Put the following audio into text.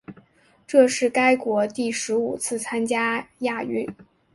这是该国第十五次参加亚运。